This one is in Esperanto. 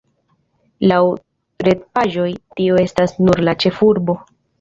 Laŭ retpaĝoj, tio estas nur la ĉefurbo.